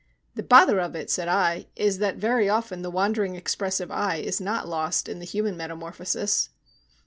"The bother of it," said I, "is that very often the wandering expressive eye is not lost in the human metamorphosis."